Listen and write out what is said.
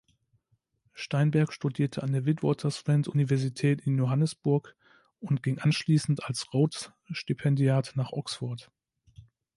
Steinberg studierte an der Witwatersrand-Universität in Johannesburg und ging anschließend als Rhodes-Stipendiat nach Oxford.